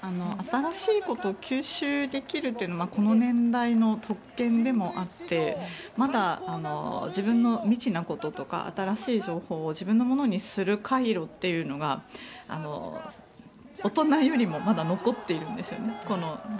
新しいことを吸収できるっていうのがこの年代の特権でもあってまだ自分の未知なこととか新しい情報を自分のものにする回路が大人よりもまだ残っているんですよ。